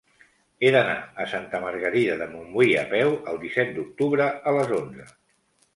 He d'anar a Santa Margarida de Montbui a peu el disset d'octubre a les onze.